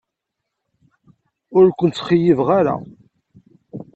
Ur ken-ttxeyyibeɣ ara.